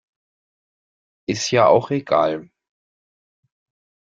Ist ja auch egal.